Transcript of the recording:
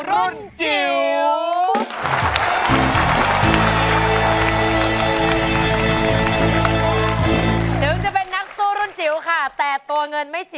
ร้องผิดได้๑คำเปลี่ยนเพลงเพลงเก่งของคุณและข้ามเพลงนี้ไปเลย